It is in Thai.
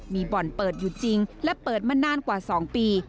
มีบ่อนเปิดอยู่จริงและเปิดมานานกว่า๒ปี